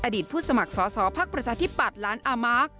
อดีตผู้สมัครสอสอภักดิ์ประชาธิปัตย์ล้านอามาร์ค